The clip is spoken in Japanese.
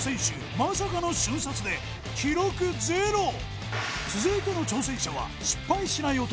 まさかの瞬殺で記録ゼロ続いての挑戦者は失敗しない男